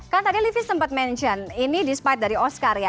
kan tadi livi sempat mention ini despite dari oscar ya